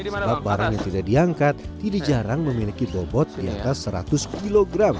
sebab barang yang tidak diangkat tidak jarang memiliki bobot di atas seratus kg